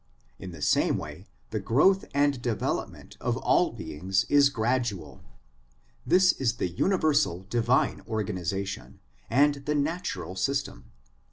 In the same way the growth and develop ment of all beings is gradual; this is the universal divine organisation, and the natural system.